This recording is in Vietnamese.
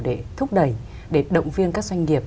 để thúc đẩy để động viên các doanh nghiệp